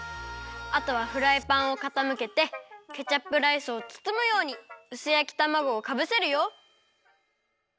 あとはフライパンをかたむけてケチャップライスをつつむようにうすやきたまごをかぶせるよ。